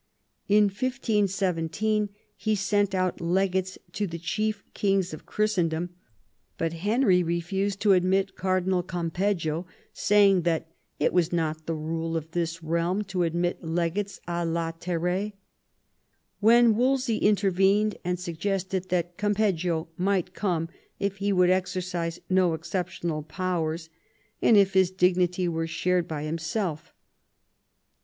In 1517 he sent out legates to the chief kings of Christendom; but Henry refused to admit Cardinal Campeggio, saying that 'Mt was not the rule of this realm to admit legates it latere" Then Wolsey intervened and suggested that Campeggio might come if he would exercise no ex ceptional powers, and if his dignity were shared by himself.